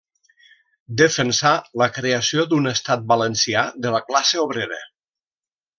Defensà la creació d'un Estat Valencià de la classe obrera.